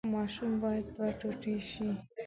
ماشوم باید دوه ټوټې شي.